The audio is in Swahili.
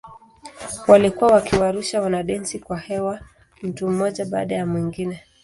Walikuwa wakiwarusha wanadensi kwa hewa mtu mmoja baada ya mwingine.